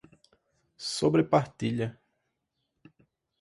sobrepartilha